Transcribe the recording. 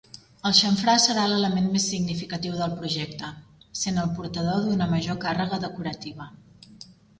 El xamfrà serà l'element més significatiu del projecte, sent el portador d'una major càrrega decorativa.